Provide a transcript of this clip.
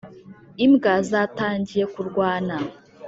imbwa zatangiye kiurwana